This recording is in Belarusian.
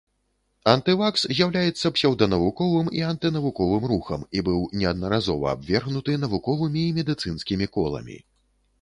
Антывакс з'яўляецца псеўданавуковым і анты-навуковым рухам і быў неаднаразова абвергнуты навуковымі і медыцынскімі коламі.